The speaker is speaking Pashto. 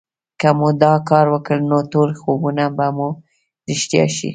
که مو دا کار وکړ نو ټول خوبونه به مو رښتيا شي